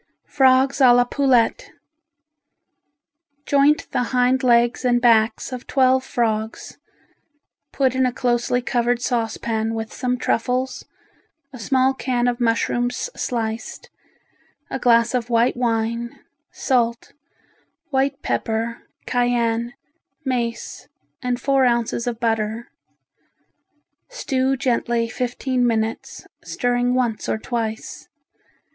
Frogs a la Poulette Joint the hind legs and backs of twelve frogs; put in a closely covered saucepan with some truffles, a small can of mushrooms sliced, a glass of white wine, salt, white pepper, cayenne, mace and four ounces of butter. Stew gently fifteen minutes, stirring once or twice.